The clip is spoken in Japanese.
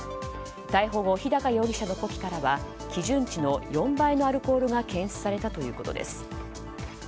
逮捕後、日高容疑者の呼気からは基準値の４倍のアルコールが検出されたということです。